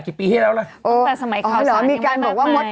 กี่ปีเท่าไรโอ้แต่สมัยข่าวส